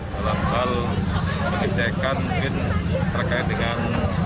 dalam hal pengecekan mungkin terkait dengan